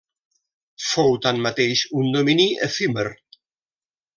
Fou, tanmateix, un domini efímer.